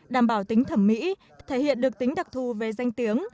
đảm bảo tính thẩm mỹ thể hiện được tính đặc thù về danh tiếng